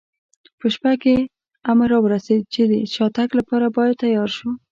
په شپه کې امر را ورسېد، چې د شاتګ لپاره باید تیار شو.